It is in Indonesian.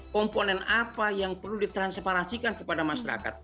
komponen apa yang perlu ditransparansikan kepada masyarakat